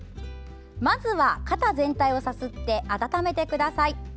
まずは肩全体をさすって温めてください。